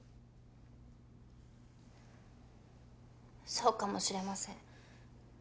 そうかもしれません。